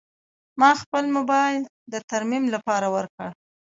ما خپل موبایل د ترمیم لپاره ورکړ.